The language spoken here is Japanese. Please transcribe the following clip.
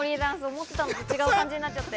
思ってたのと違う感じになっちゃって。